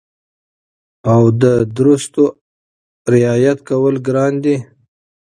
او د درستو رعایت کول ګران دي